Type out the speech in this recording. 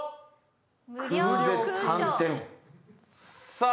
さあ。